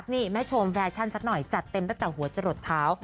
นี่แม่ชมแฟชั่นสักหน่อยจัดเต็มตั้งแต่หัวจะหลดเท้า